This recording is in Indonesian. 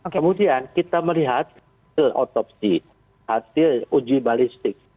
kemudian kita melihat hasil otopsi hasil uji balistik